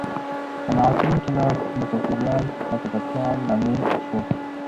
• صنعتي انقلاب د چاپېریال د ککړتیا لامل شو.